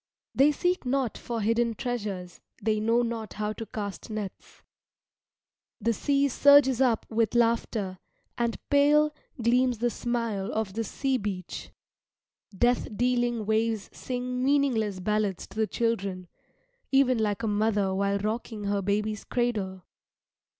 They seek not for hidden treasures, they know not how to cast nets. The sea surges up with laughter, and pale gleams the smile of the sea beach. Death dealing waves sing meaningless ballads to the children, even like a mother while rocking her baby's cradle.